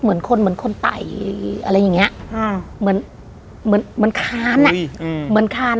เหมือนคนเหมือนคนไต่อะไรอย่างนี้เหมือนเหมือนคานเหมือนคาน